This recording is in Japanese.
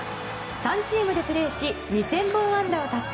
３チームでプレーし２０００本安打を達成。